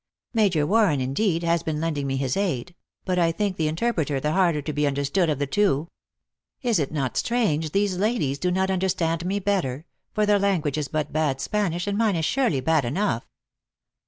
Major Warren, indeed, has been lending me his aid ; but I think the interpreter the harder to be understood of the two. Is it not strange these ladies do not understand me better ; for O their language is but bad Spanish, and mine is surely bad enough."